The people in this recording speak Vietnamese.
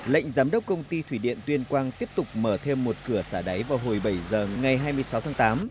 lệnh giám đốc công ty thủy điện tuyên quang tiếp tục mở thêm một cửa xả đáy vào hồi bảy giờ ngày hai mươi sáu tháng tám